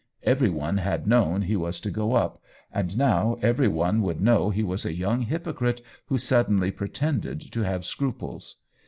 Every one had known he was to go up, and now every one would know he was a young hypocrite who sudden ly pretended to have scruples.